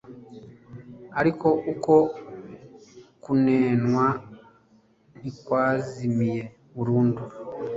ariko uko kunenwa ntikwazimiye burundu.